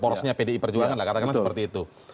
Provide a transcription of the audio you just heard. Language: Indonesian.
porosnya pdi perjuangan lah katakanlah seperti itu